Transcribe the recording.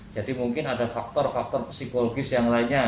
jadi mungkin ada faktor faktor psikologis yang lainnya